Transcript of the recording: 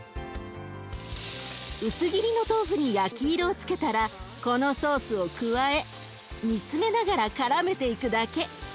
薄切りの豆腐に焼き色をつけたらこのソースを加え煮詰めながらからめていくだけ。